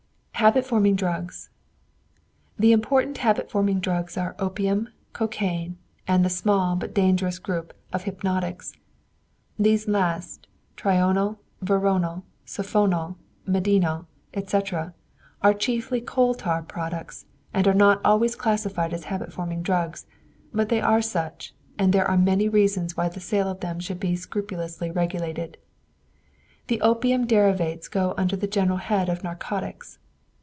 THE HABIT FORMING DRUGS The important habit forming drugs are opium, cocaine, and the small, but dangerous, group of hypnotics. These last trional, veronal, sulphonal, medinal, etc. are chiefly coal tar products, and are not always classified as habit forming drugs, but they are such, and there are many reasons why the sale of them should be scrupulously regulated. The opium derivatives go under the general head of narcotics.